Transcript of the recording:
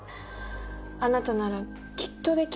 あなたならきっと出来る。